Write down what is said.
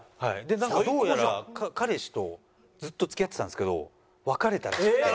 でなんかどうやら彼氏とずっと付き合ってたんですけど別れたらしくて。